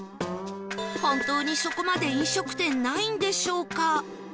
本当にそこまで飲食店ないんでしょうか？